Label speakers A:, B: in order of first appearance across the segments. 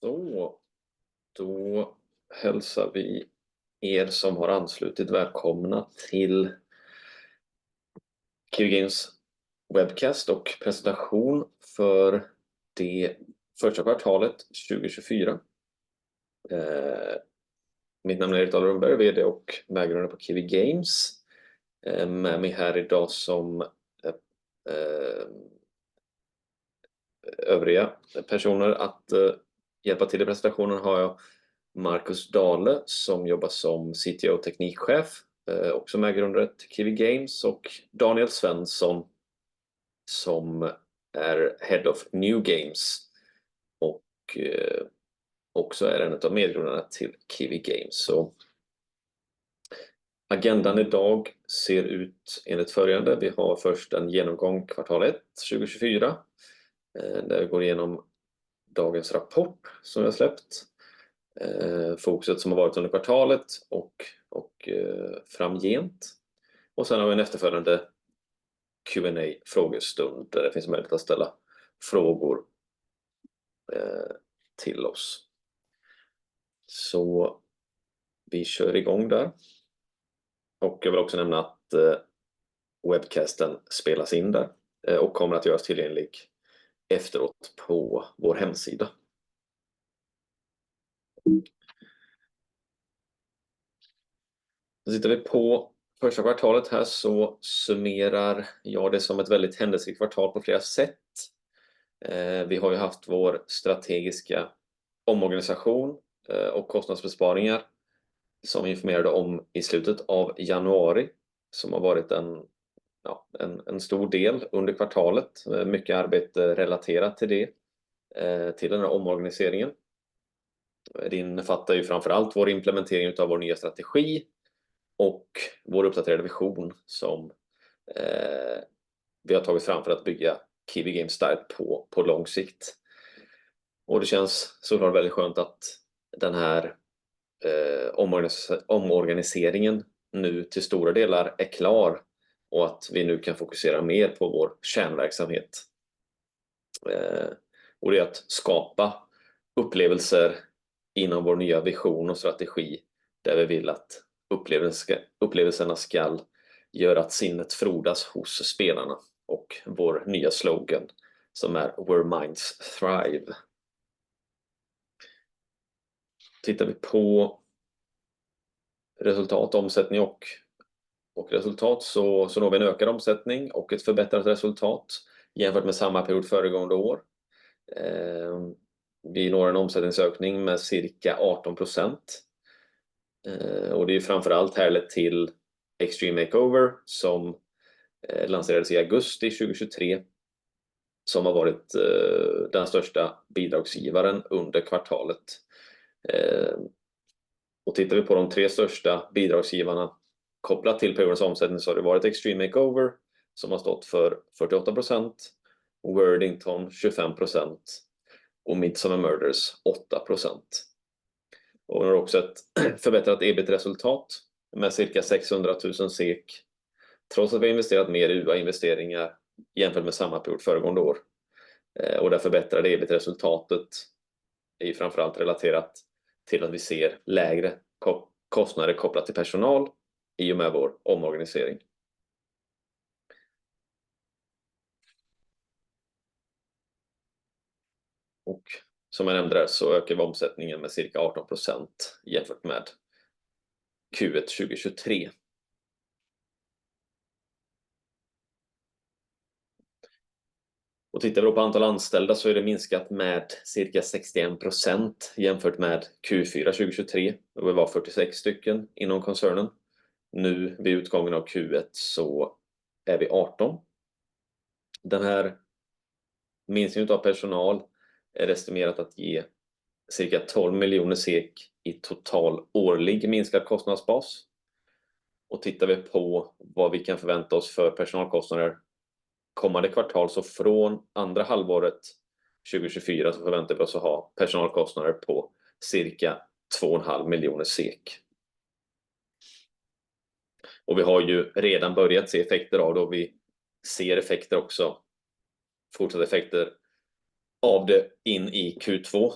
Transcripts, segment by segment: A: Så, då hälsar vi som har anslutit välkomna till Qiiwi Games webcast och presentation för det första kvartalet 2024. Mitt namn är Erik Dalundberg, VD och medgrundare på Qiiwi Games. Med mig här idag som övriga personer att hjälpa till i presentationen har jag Marcus Dale som jobbar som CTO och Teknikchef, också medgrundare till Qiiwi Games, och Daniel Svensson som är Head of New Games och också är en av medgrundarna till Qiiwi Games. Agendan idag ser ut enligt följande. Vi har först en genomgång kvartal 1 2024 där vi går igenom dagens rapport som vi har släppt, fokuset som har varit under kvartalet och framgent. Sen har vi en efterföljande Q&A-frågestund där det finns möjlighet att ställa frågor till oss. Vi kör igång där. Jag vill också nämna att webcasten spelas in där och kommer att göras tillgänglig efteråt på vår hemsida. Då tittar vi på första kvartalet här så summerar jag det som ett väldigt händelserikt kvartal på flera sätt. Vi har ju haft vår strategiska omorganisation och kostnadsbesparingar som vi informerade om i slutet av januari som har varit en stor del under kvartalet. Mycket arbete relaterat till det, till den här omorganiseringen. Det innefattar ju framförallt vår implementering av vår nya strategi och vår uppdaterade vision som vi har tagit fram för att bygga Qiiwi Games starkt på lång sikt. Det känns såklart väldigt skönt att den här omorganiseringen nu till stora delar är klar och att vi nu kan fokusera mer på vår kärnverksamhet. Det är att skapa upplevelser inom vår nya vision och strategi där vi vill att upplevelserna ska göra att sinnet frodas hos spelarna och vår nya slogan som är "Where Minds Thrive". Tittar vi på resultat, omsättning och resultat så når vi en ökad omsättning och ett förbättrat resultat jämfört med samma period föregående år. Vi når en omsättningsökning med cirka 18%. Det är ju framförallt härligt till Extreme Makeover som lanserades i augusti 2023 som har varit den största bidragsgivaren under kvartalet. Tittar vi på de tre största bidragsgivarna kopplat till periodens omsättning så har det varit Extreme Makeover som har stått för 48%, Worthington 25% och Midsummer Murders 8%. Vi har också ett förbättrat EBIT-resultat med cirka 600 000 SEK trots att vi har investerat mer i UA-investeringar jämfört med samma period föregående år. Det förbättrade EBIT-resultatet är ju framförallt relaterat till att vi ser lägre kostnader kopplat till personal i och med vår omorganisering. Som jag nämnde där så ökar vi omsättningen med cirka 18% jämfört med Q1 2023. Och tittar vi då på antal anställda så är det minskat med cirka 61% jämfört med Q4 2023 då vi var 46 stycken inom koncernen. Nu vid utgången av Q1 så är vi 18. Den här minskningen av personal är estimerat att ge cirka 12 miljoner SEK i total årlig minskad kostnadsbas. Tittar vi på vad vi kan förvänta oss för personalkostnader kommande kvartal så från andra halvåret 2024 så förväntar vi oss att ha personalkostnader på cirka 2,5 miljoner SEK. Vi har redan börjat se effekter av det och vi ser effekter också, fortsatta effekter av det in i Q2.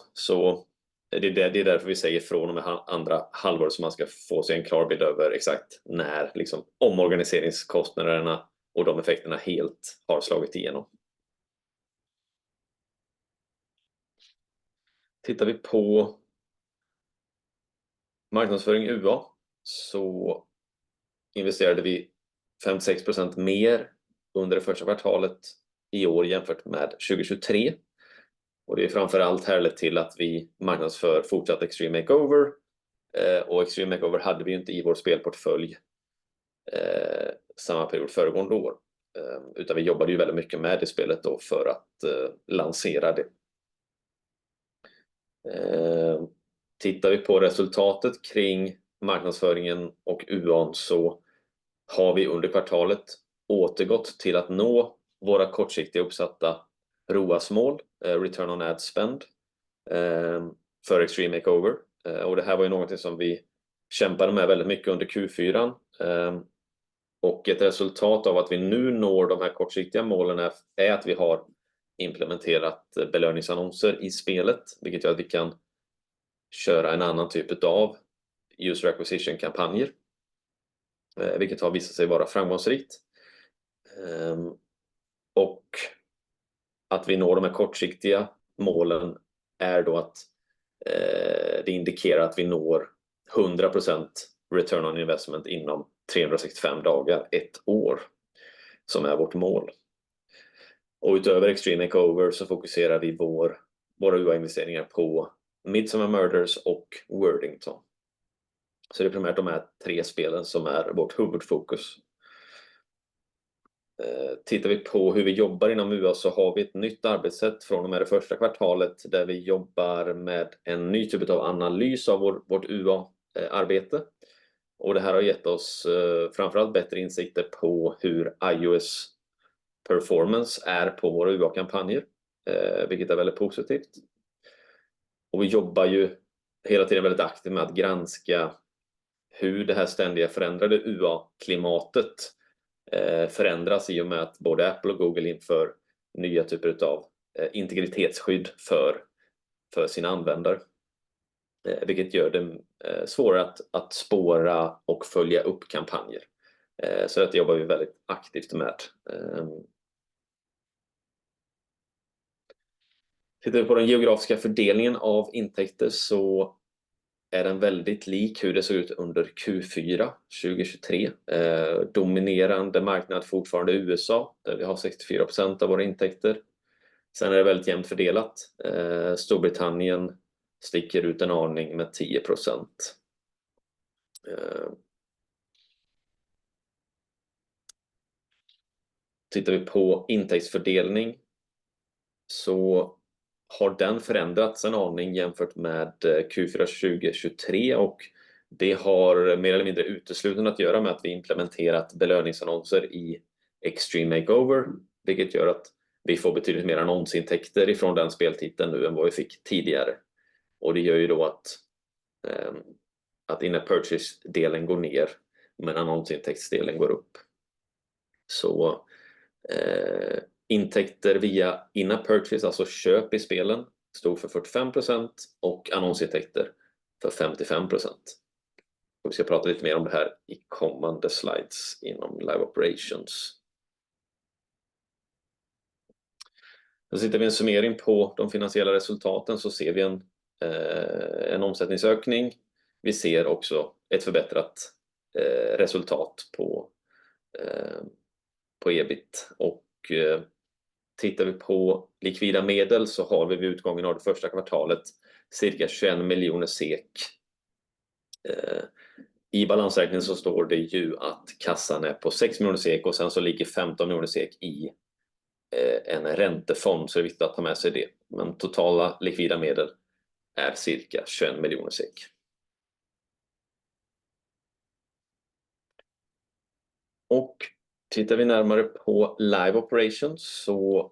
A: Det är därför vi säger från och med andra halvåret så man ska få sig en klar bild över exakt när omorganiseringskostnaderna och de effekterna helt har slagit igenom. Tittar vi på marknadsföring UA så investerade vi 56% mer under det första kvartalet i år jämfört med 2023. Det är framförallt härligt till att vi marknadsför fortsatt Extreme Makeover. Extreme Makeover hade vi ju inte i vår spelportfölj samma period föregående år. Vi jobbade ju väldigt mycket med det spelet då för att lansera det. Tittar vi på resultatet kring marknadsföringen och UA:n så har vi under kvartalet återgått till att nå våra kortsiktiga uppsatta ROAS-mål, Return on Ad Spend, för Extreme Makeover. Det här var ju någonting som vi kämpade med väldigt mycket under Q4. Ett resultat av att vi nu når de här kortsiktiga målen är att vi har implementerat belöningsannonser i spelet. Det gör att vi kan köra en annan typ av User Acquisition-kampanjer, vilket har visat sig vara framgångsrikt. Och att vi når de här kortsiktiga målen är då att det indikerar att vi når 100% Return on Investment inom 365 dagar, ett år, som är vårt mål. Utöver Extreme Makeover så fokuserar vi våra UA-investeringar på Midsummer Murders och Worthington. Det är primärt de här tre spelen som är vårt huvudfokus. Tittar vi på hur vi jobbar inom UA så har vi ett nytt arbetssätt från och med det första kvartalet, där vi jobbar med en ny typ av analys av vårt UA-arbete. Det här har gett oss framförallt bättre insikter på hur iOS-performance är på våra UA-kampanjer, vilket är väldigt positivt. Vi jobbar hela tiden väldigt aktivt med att granska hur det här ständigt förändrade UA-klimatet förändras i och med att både Apple och Google inför nya typer av integritetsskydd för sina användare. Vilket gör det svårare att spåra och följa upp kampanjer. Så detta jobbar vi väldigt aktivt med. Tittar vi på den geografiska fördelningen av intäkter så är den väldigt lik hur det såg ut under Q4 2023. Dominerande marknad fortfarande USA där vi har 64% av våra intäkter. Sen är det väldigt jämnt fördelat. Storbritannien sticker ut en aning med 10%. Tittar vi på intäktsfördelning så har den förändrats en aning jämfört med Q4 2023. Det har mer eller mindre uteslutande att göra med att vi implementerat belöningsannonser i Extreme Makeover. Vilket gör att vi får betydligt mer annonsintäkter från den speltiteln nu än vad vi fick tidigare. Det gör då att in-app purchase-delen går ner men annonsintäktsdelen går upp. Intäkter via in-app purchase, alltså köp i spelen, stod för 45% och annonsintäkter för 55%. Vi ska prata lite mer om det här i kommande slides inom live operations. Tittar vi en summering på de finansiella resultaten så ser vi en omsättningsökning. Vi ser också ett förbättrat resultat på EBIT. Tittar vi på likvida medel så har vi vid utgången av det första kvartalet cirka 21 miljoner SEK. I balansräkningen så står det ju att kassan är på 6 miljoner SEK och sen så ligger 15 miljoner SEK i en räntefond. Det är viktigt att ta med sig det. Men totala likvida medel är cirka 21 miljoner SEK. Tittar vi närmare på live operations så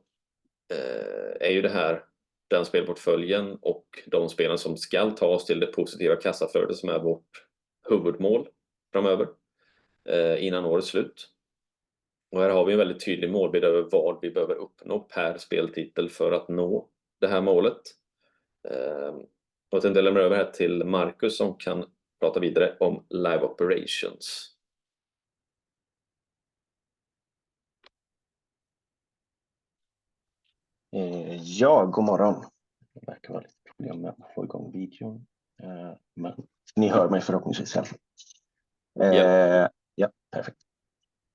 A: är ju det här den spelportföljen och de spelen som ska tas till det positiva kassaflödet som är vårt huvudmål framöver innan årets slut. Här har vi en väldigt tydlig målbild över vad vi behöver uppnå per speltitel för att nå det här målet. Och att jag lämnar över här till Marcus som kan prata vidare om live operations.
B: Ja, god morgon. Det verkar vara lite problem med att få igång videon, men ni hör mig förhoppningsvis i alla fall. Ja, perfekt.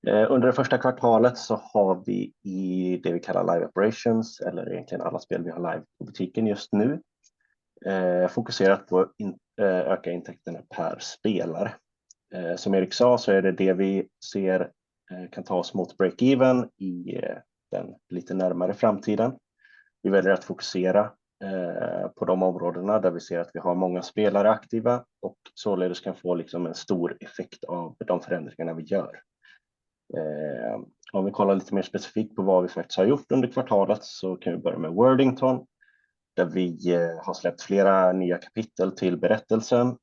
B: Under det första kvartalet så har vi i det vi kallar live operations, eller egentligen alla spel vi har live på butiken just nu, fokuserat på att öka intäkterna per spelare. Som Erik sa så är det det vi ser kan ta oss mot break-even i den lite närmare framtiden. Vi väljer att fokusera på de områdena där vi ser att vi har många spelare aktiva och således kan få en stor effekt av de förändringarna vi gör. Om vi kollar lite mer specifikt på vad vi faktiskt har gjort under kvartalet så kan vi börja med Worthington där vi har släppt flera nya kapitel till berättelsen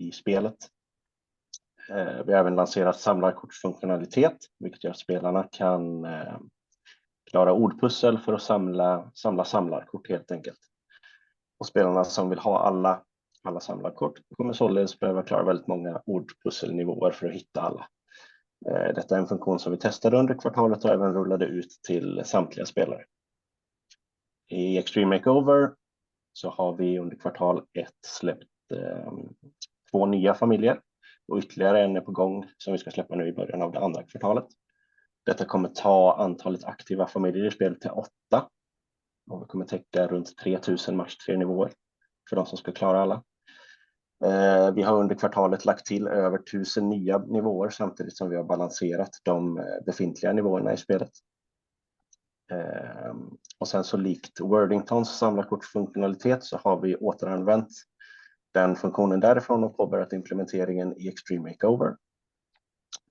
B: i spelet. Vi har även lanserat samlarkortsfunktionalitet vilket gör att spelarna kan klara ordpussel för att samla samlarkort helt enkelt. Spelarna som vill ha alla samlarkort kommer således behöva klara väldigt många ordpusselnivåer för att hitta alla. Detta är en funktion som vi testade under kvartalet och även rullade ut till samtliga spelare. I Extreme Makeover så har vi under kvartal ett släppt två nya familjer och ytterligare en är på gång som vi ska släppa nu i början av det andra kvartalet. Detta kommer ta antalet aktiva familjer i spelet till åtta och vi kommer täcka runt 3,000 match 3-nivåer för de som ska klara alla. Vi har under kvartalet lagt till över 1,000 nya nivåer samtidigt som vi har balanserat de befintliga nivåerna i spelet. Likt Worthingtons samlarkortsfunktionalitet så har vi återanvänt den funktionen därifrån och påbörjat implementeringen i Extreme Makeover.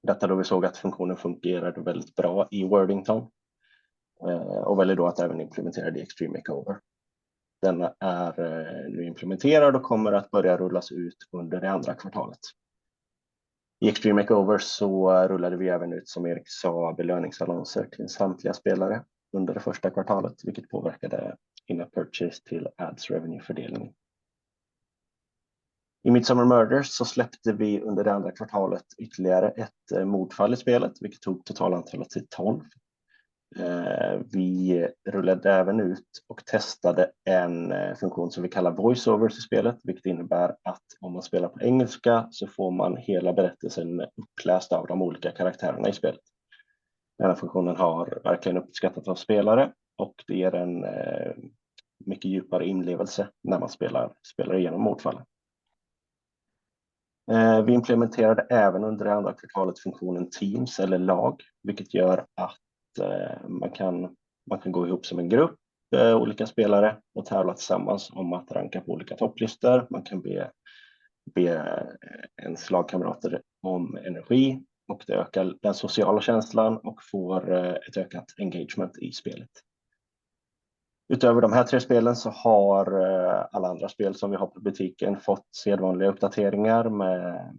B: Detta då vi såg att funktionen fungerade väldigt bra i Worthington och väljer då att även implementera det i Extreme Makeover. Denna är nu implementerad och kommer att börja rullas ut under det andra kvartalet. I Extreme Makeover så rullade vi även ut, som Erik sa, belöningsannonser till samtliga spelare under det första kvartalet vilket påverkade in-app purchase till ads revenue-fördelningen. I Midsummer Murders så släppte vi under det andra kvartalet ytterligare ett mordfall i spelet vilket tog totalantalet till 12. Vi rullade även ut och testade en funktion som vi kallar voice-overs i spelet vilket innebär att om man spelar på engelska så får man hela berättelsen uppläst av de olika karaktärerna i spelet. Denna funktionen har verkligen uppskattats av spelare och det ger en mycket djupare inlevelse när man spelar igenom mordfallen. Vi implementerade även under det andra kvartalet funktionen Teams eller lag vilket gör att man kan gå ihop som en grupp olika spelare och tävla tillsammans om att ranka på olika topplistor. Man kan be sina lagkamrater om energi och det ökar den sociala känslan och får ett ökat engagement i spelet. Utöver de här tre spelen så har alla andra spel som vi har i butiken fått sedvanliga uppdateringar med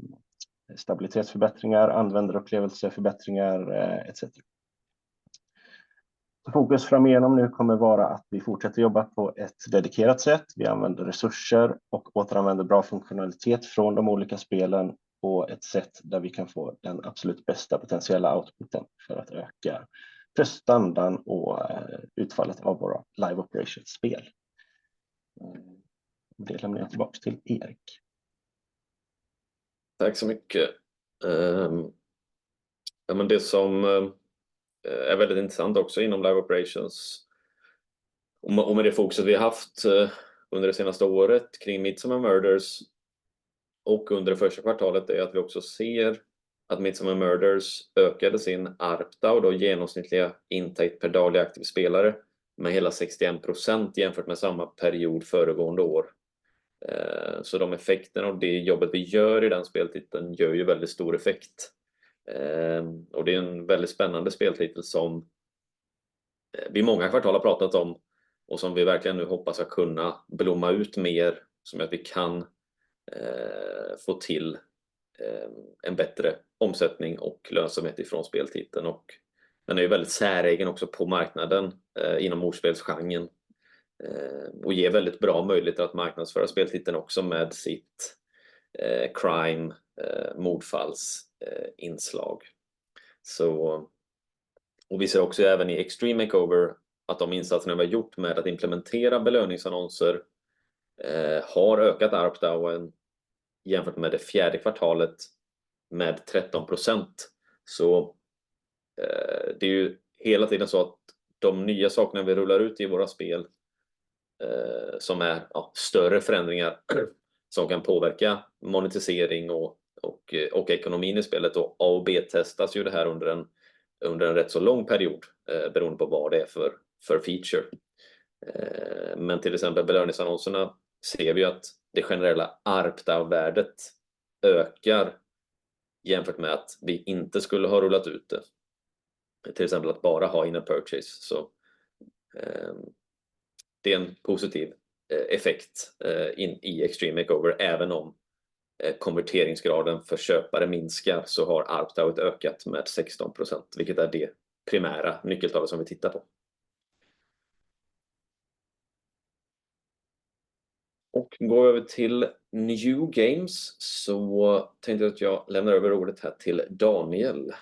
B: stabilitetsförbättringar, användarupplevelseförbättringar etc. Så fokus framöver kommer att vara att vi fortsätter jobba på ett dedikerat sätt. Vi använder resurser och återanvänder bra funktionalitet från de olika spelen på ett sätt där vi kan få den absolut bästa potentiella outputen för att öka prestandan och utfallet av våra live operations-spel. Och det lämnar jag tillbaka till Erik.
A: Tack så mycket. Ja, men det som är väldigt intressant också inom live operations och med det fokuset vi har haft under det senaste året kring Midsummer Murders och under det första kvartalet är att vi också ser att Midsummer Murders ökade sin ARPDA och då genomsnittliga intäkter per dagliga aktiva spelare med hela 61% jämfört med samma period föregående år. Så de effekterna av det jobbet vi gör i den speltiteln gör ju väldigt stor effekt. Det är ju en väldigt spännande speltitel som vi i många kvartal har pratat om och som vi verkligen nu hoppas att kunna blomma ut mer så att vi kan få till en bättre omsättning och lönsamhet från speltiteln. Den är ju väldigt säreigen också på marknaden inom ordspelsgenren och ger väldigt bra möjligheter att marknadsföra speltiteln också med sitt crime, mordfallinslag. Vi ser också även i Extreme Makeover att de insatserna vi har gjort med att implementera belöningsannonser har ökat ARPDA med 13% jämfört med det fjärde kvartalet. Det är ju hela tiden så att de nya sakerna vi rullar ut i våra spel som är större förändringar som kan påverka monetisering och ekonomin i spelet A och B-testas under en rätt så lång period beroende på vad det är för feature. Men till exempel belöningsannonserna ser vi ju att det generella ARPDA-värdet ökar jämfört med att vi inte skulle ha rullat ut det. Till exempel att bara ha in-app purchase. Det är en positiv effekt i Extreme Makeover. Även om konverteringsgraden för köpare minskar så har ARPDA ökat med 16% vilket är det primära nyckeltalet som vi tittar på. Och går vi över till QGames så tänkte jag att jag lämnar över ordet här till Daniel.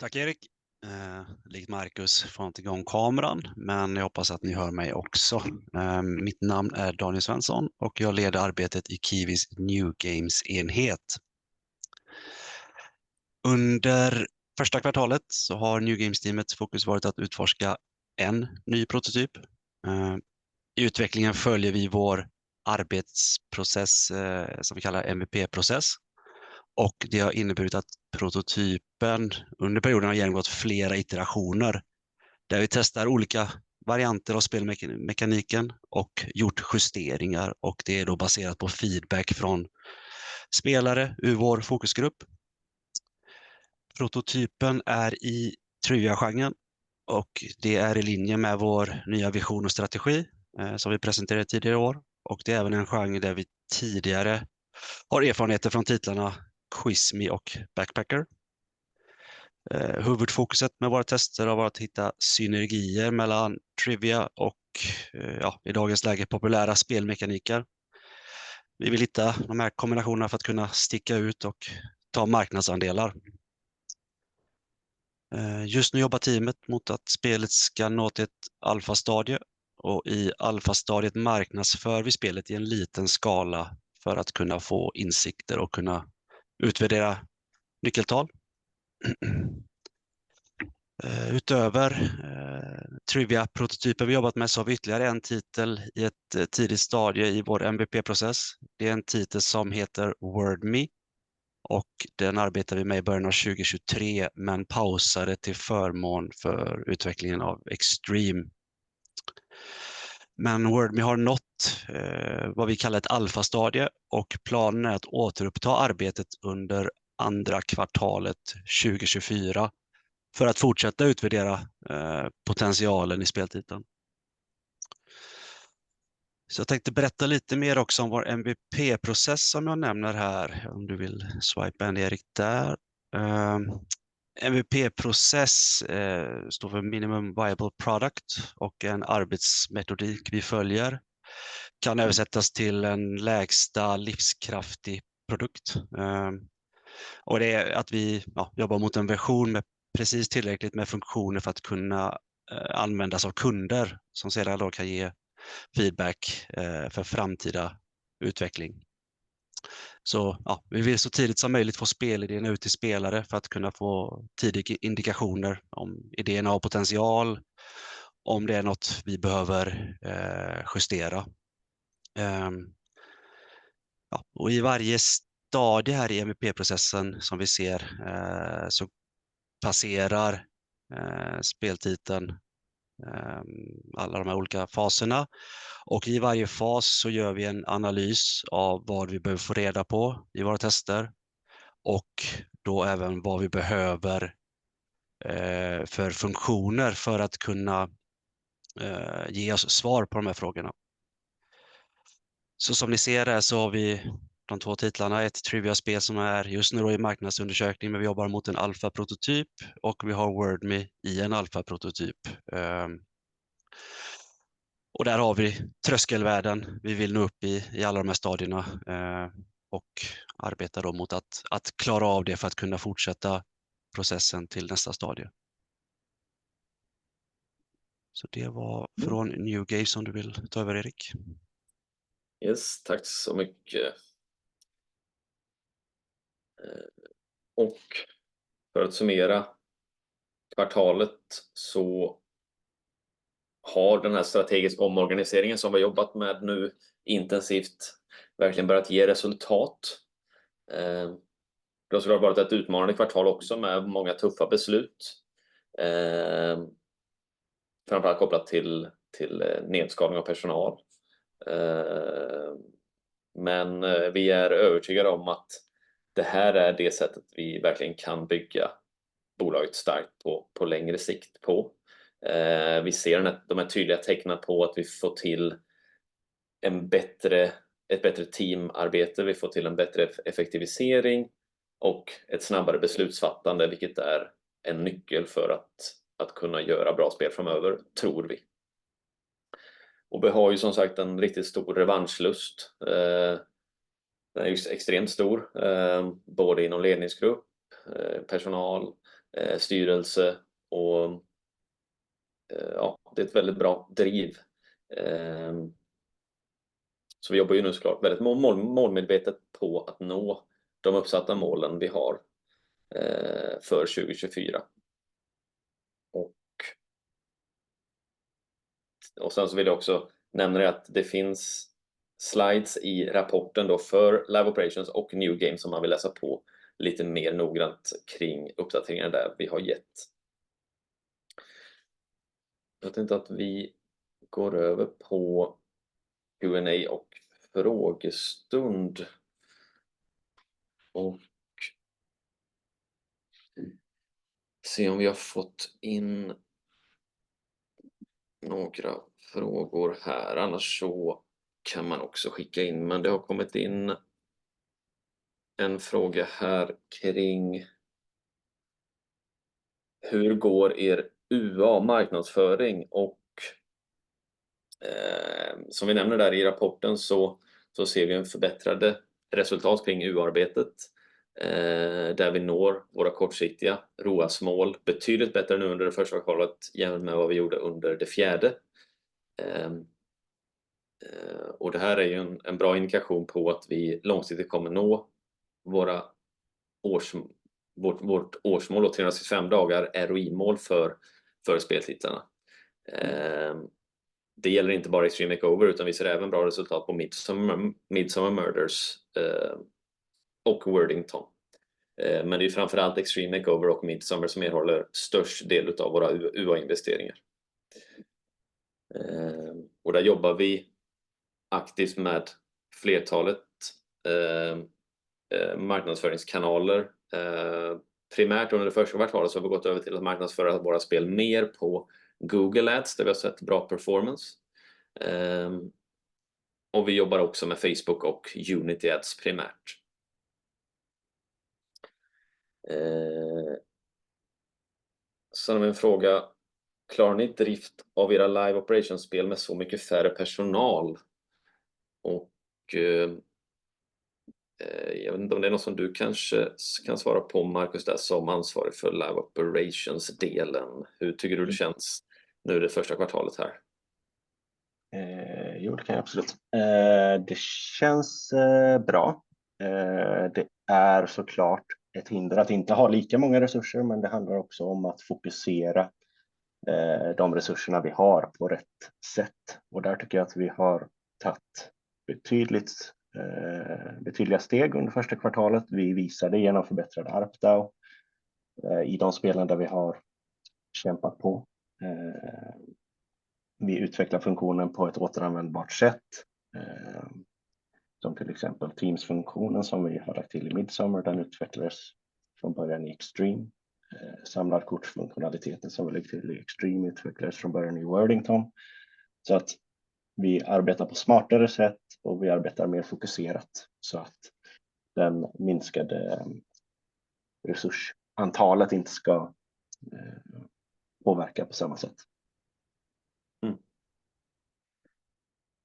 C: Tack Erik. Likt Marcus får han inte igång kameran men jag hoppas att ni hör mig också. Mitt namn är Daniel Svensson och jag leder arbetet i Qiwis New Games-enhet. Under första kvartalet så har New Games-teamets fokus varit att utforska en ny prototyp. I utvecklingen följer vi vår arbetsprocess som vi kallar MVP-process. Det har inneburit att prototypen under perioden har genomgått flera iterationer där vi testar olika varianter av spelmekaniken och gjort justeringar. Det är då baserat på feedback från spelare ur vår fokusgrupp. Prototypen är i trivia-genren och det är i linje med vår nya vision och strategi som vi presenterade tidigare i år. Det är även en genre där vi tidigare har erfarenheter från titlarna Quiz Me och Backpacker. Huvudfokuset med våra tester har varit att hitta synergier mellan trivia och i dagens läge populära spelmekaniker. Vi vill hitta de här kombinationerna för att kunna sticka ut och ta marknadsandelar. Just nu jobbar teamet mot att spelet ska nå till ett alfastadie och i alfastadiet marknadsför vi spelet i en liten skala för att kunna få insikter och kunna utvärdera nyckeltal. Utöver trivia-prototypen vi jobbat med så har vi ytterligare en titel i ett tidigt stadie i vår MVP-process. Det är en titel som heter Word Me och den arbetade vi med i början av 2023 men pausade till förmån för utvecklingen av Extreme. Men Word Me har nått vad vi kallar ett alfastadie och planen är att återuppta arbetet under andra kvartalet 2024 för att fortsätta utvärdera potentialen i speltiteln. Så jag tänkte berätta lite mer också om vår MVP-process som jag nämner här. Om du vill swipa in Erik där. MVP-process står för Minimum Viable Product och en arbetsmetodik vi följer. Kan översättas till en lägsta livskraftig produkt. Och det är att vi jobbar mot en version med precis tillräckligt med funktioner för att kunna användas av kunder som sedan då kan ge feedback för framtida utveckling. Så ja, vi vill så tidigt som möjligt få spelidéerna ut till spelare för att kunna få tidiga indikationer om idéerna har potential, om det är något vi behöver justera. Ja, och i varje stadie här i MVP-processen som vi ser så passerar speltiteln alla de här olika faserna. Och i varje fas så gör vi en analys av vad vi behöver få reda på i våra tester och då även vad vi behöver för funktioner för att kunna ge oss svar på de här frågorna. Så som ni ser här så har vi de två titlarna. Ett trivia-spel som är just nu då i marknadsundersökning men vi jobbar mot en alfaprototyp och vi har Word Me i en alfaprototyp. Och där har vi tröskelvärden vi vill nå upp i alla de här stadierna och arbeta då mot att klara av det för att kunna fortsätta processen till nästa stadie. Så det var från QGames om du vill ta över Erik.
A: Yes, tack så mycket. Och för att summera kvartalet så har den här strategiska omorganiseringen som vi har jobbat med nu intensivt verkligen börjat ge resultat. Det har såklart varit ett utmanande kvartal också med många tuffa beslut, framförallt kopplat till nedskalning av personal. Men vi är övertygade om att det här är det sättet vi verkligen kan bygga bolaget starkt på längre sikt. Vi ser att de här tydliga tecknen på att vi får till en bättre ett bättre teamarbete, vi får till en bättre effektivisering och ett snabbare beslutsfattande vilket är en nyckel för att kunna göra bra spel framöver, tror vi. Och vi har ju som sagt en riktigt stor revanschlust. Den är ju extremt stor både inom ledningsgrupp, personal, styrelse och ja, det är ett väldigt bra driv. Så vi jobbar ju nu såklart väldigt målmedvetet på att nå de uppsatta målen vi har för 2024. Sen så vill jag också nämna det att det finns slides i rapporten då för Live Operations och New Games som man vill läsa på lite mer noggrant kring uppdateringar där vi har gett. Jag tänkte att vi går över på Q&A och frågestund och se om vi har fått in några frågor här. Annars så kan man också skicka in. Men det har kommit in en fråga här kring hur går UA-marknadsföring? Som vi nämner där i rapporten så ser vi ju en förbättrade resultat kring UA-arbetet där vi når våra kortsiktiga ROAS-mål betydligt bättre nu under det första kvartalet jämfört med vad vi gjorde under det fjärde. Och det här är ju en bra indikation på att vi långsiktigt kommer nå vårt årsmål och 365 dagar ROI-mål för speltitlarna. Det gäller inte bara Extreme Makeover utan vi ser även bra resultat på Midsummer Murders och Wordington. Men det är ju framförallt Extreme Makeover och Midsummer som innehåller störst del av våra UA-investeringar. Och där jobbar vi aktivt med flertalet marknadsföringskanaler. Primärt under det första kvartalet så har vi gått över till att marknadsföra våra spel mer på Google Ads där vi har sett bra performance. Och vi jobbar också med Facebook och Unity Ads primärt. Sen har vi en fråga. Klarar ni drift av era Live Operations-spel med så mycket färre personal? Och jag vet inte om det är något som du kanske kan svara på Marcus där som ansvarig för Live Operations-delen. Hur tycker du det känns nu i det första kvartalet här?
B: Jo, det kan jag absolut. Det känns bra. Det är såklart ett hinder att inte ha lika många resurser men det handlar också om att fokusera de resurserna vi har på rätt sätt. Och där tycker jag att vi har tagit betydligt betydliga steg under första kvartalet. Vi visade genom förbättrad ARPDA i de spelen där vi har kämpat på. Vi utvecklar funktionen på ett återanvändbart sätt, som till exempel Teams-funktionen som vi har lagt till i Midsummer. Den utvecklades från början i Extreme. Samlarkortsfunktionaliteten som vi lägger till i Extreme utvecklades från början i Wordington. Så att vi arbetar på smartare sätt och vi arbetar mer fokuserat så att den minskade resursantalet inte ska påverka på samma sätt.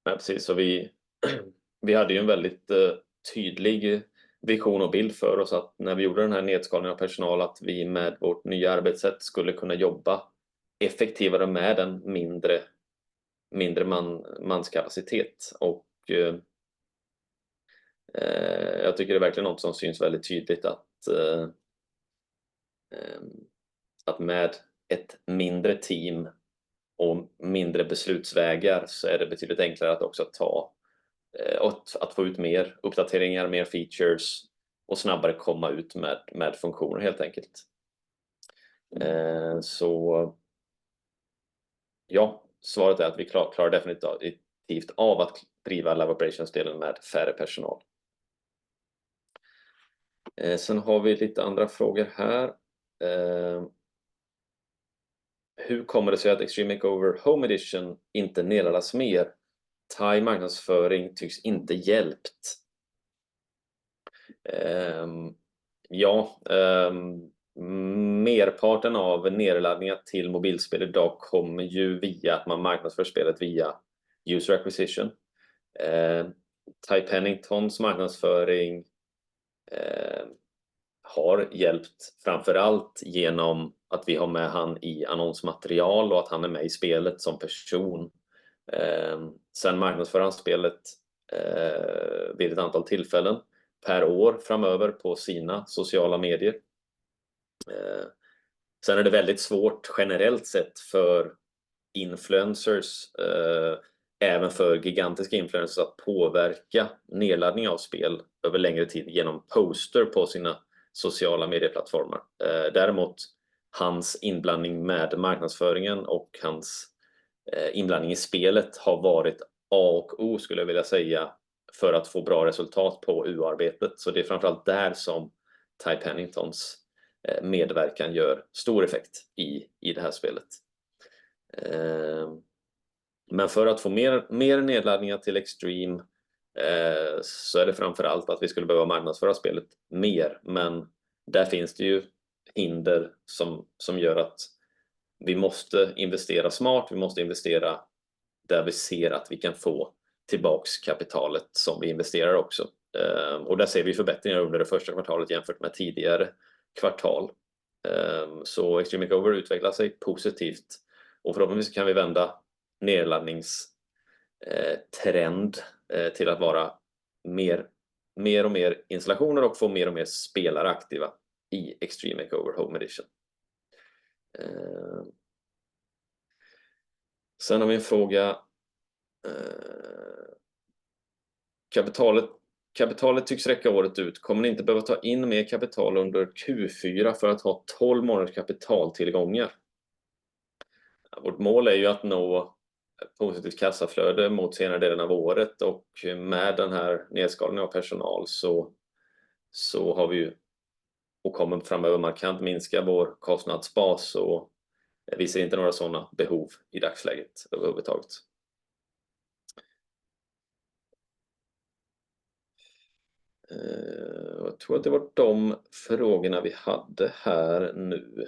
A: Nej, precis. Och vi hade ju en väldigt tydlig vision och bild för oss att när vi gjorde den här nedskalningen av personal att vi med vårt nya arbetssätt skulle kunna jobba effektivare med en mindre manskapacitet. Och jag tycker det är verkligen något som syns väldigt tydligt att med ett mindre team och mindre beslutsvägar så är det betydligt enklare att också ta och att få ut mer uppdateringar, mer features och snabbare komma ut med funktioner helt enkelt. Så ja, svaret är att vi klarar definitivt av att driva Live Operations-delen med färre personal. Sen har vi lite andra frågor här. Hur kommer det sig att Extreme Makeover Home Edition inte nerladdas mer? Thai marknadsföring tycks inte hjälpt. Ja, merparten av nerladdningar till mobilspel idag kommer ju via att man marknadsför spelet via User Acquisition. Thai Penningtons marknadsföring har hjälpt framförallt genom att vi har med honom i annonsmaterial och att han är med i spelet som person. Sen marknadsför han spelet vid ett antal tillfällen per år framöver på sina sociala medier. Sen är det väldigt svårt generellt sett för influencers, även för gigantiska influencers, att påverka nedladdning av spel över längre tid genom poster på sina sociala medieplattformar. Däremot hans inblandning med marknadsföringen och hans inblandning i spelet har varit A och O skulle jag vilja säga för att få bra resultat på UA-arbetet. Det är framförallt där som Thai Penningtons medverkan gör stor effekt i det här spelet. Men för att få mer nedladdningar till Extreme så är det framförallt att vi skulle behöva marknadsföra spelet mer. Men där finns det ju hinder som gör att vi måste investera smart. Vi måste investera där vi ser att vi kan få tillbaka kapitalet som vi investerar också. Där ser vi förbättringar under det första kvartalet jämfört med tidigare kvartal. Extreme Makeover utvecklar sig positivt och förhoppningsvis kan vi vända nerladdningstrenden till att vara mer och mer installationer och få mer och mer spelare aktiva i Extreme Makeover Home Edition. Vi har en fråga. Kapitalet tycks räcka året ut. Kommer ni inte behöva ta in mer kapital under Q4 för att ha 12 månaders kapitaltillgångar? Vårt mål är ju att nå positivt kassaflöde mot senare delen av året och med den här nedskalningen av personal så har vi ju och kommer framöver markant minska vår kostnadsbas och visar inte några sådana behov i dagsläget överhuvudtaget. Jag tror att det var de frågorna vi hade här nu.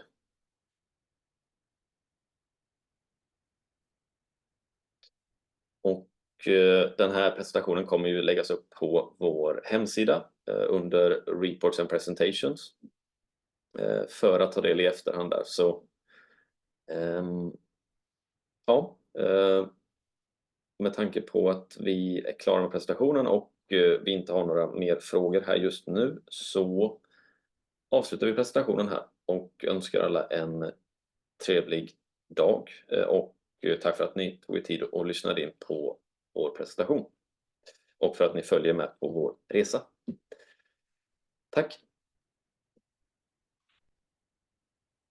A: Och den här presentationen kommer ju läggas upp på vår hemsida under Reports and Presentations för att ta del i efterhand där. Så ja, med tanke på att vi är klara med presentationen och vi inte har några fler frågor här just nu så avslutar vi presentationen här och önskar alla en trevlig dag och tack för att ni tog tid och lyssnade in på vår presentation och för att ni följer med på vår resa. Tack!